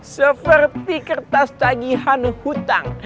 seperti kertas tagihan hutang